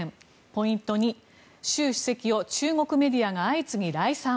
ポイント２、習主席を中国メディアが相次ぎ礼賛。